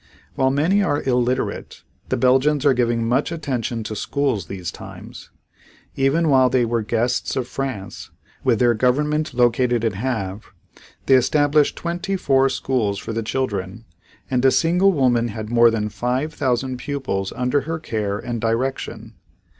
While many are illiterate, the Belgians are giving much attention to schools these times. Even while they were guests of France, with their government located at Havre, they established twenty four schools for the children and a single woman had more than five thousand pupils under her care and direction.